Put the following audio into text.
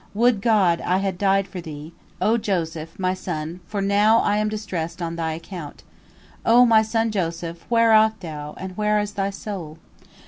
Would God I had died for thee, O Joseph, my son, for now I am distressed on thy account. O my son Joseph, where art thou, and where is thy soul?